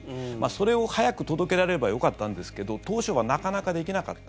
それを早く届けられればよかったんですけど当初はなかなかできなかった。